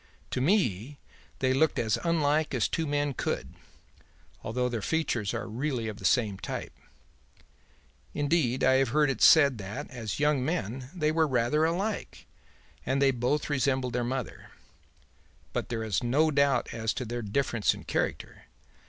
To me they looked as unlike as two men could, though their features were really of the same type; indeed, I have heard it said that, as young men, they were rather alike, and they both resembled their mother. But there is no doubt as to their difference in character.